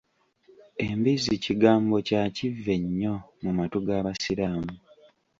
Embizzi kigambo kya kivve nnyo mu matu g’Abasiraamu.